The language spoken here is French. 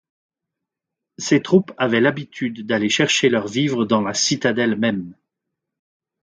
Ses troupes avaient l'habitude d'aller chercher leurs vivres dans la citadelle même.